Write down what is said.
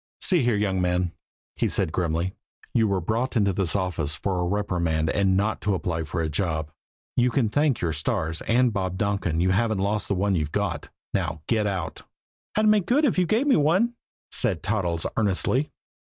"See here, young man," he said grimly, "you were brought into this office for a reprimand and not to apply for a job! You can thank your stars and Bob Donkin you haven't lost the one you've got. Now, get out!" "I'd make good if you gave me one," said Toddles earnestly.